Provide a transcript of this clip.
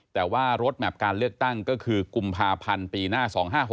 แต่ว่ารถแมพการเลือกตั้งก็คือกุมภาพันธ์ปีหน้า๒๕๖๖